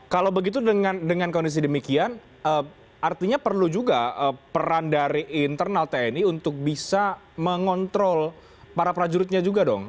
kalau begitu dengan kondisi demikian artinya perlu juga peran dari internal tni untuk bisa mengontrol para prajuritnya juga dong